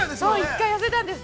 ◆１回痩せたんです。